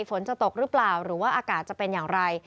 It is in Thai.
ฝนจะตกหรือเปล่าหรือว่าอากาศจะเป็นอย่างไร